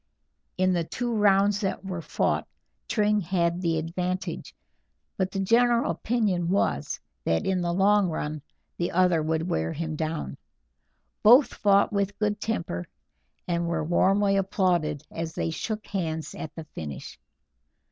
In the two rounds that were fought, Tring had the advantage, but the general opinion was that in the long run the other would wear him down. Both fought with good temper, and were warmly applauded as they shook hands at the finish.